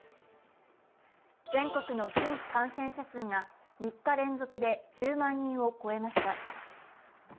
全国の新規感染者数が３日連続で１０万人を超えました。